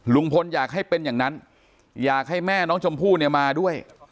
ลุงพลอยากให้เป็นอย่างนั้นอยากให้แม่น้องชมพู่เนี่ยมาด้วย